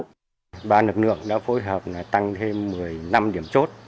cửa khẩu mộc bài đã phối hợp tăng thêm một mươi năm điểm chốt